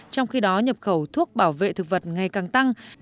trong khi đó nhập khẩu thuốc bảo vệ thực vật ngày càng tăng